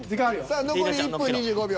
さあ残り１分２５秒。